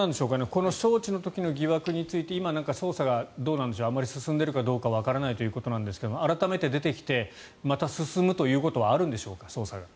この招致の時の疑惑について今、捜査があまり進んでいるかどうかわからないということなんですが改めて出てきてまた捜査が進むということはあるんでしょうか。